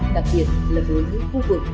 đặc biệt là đối với khu vực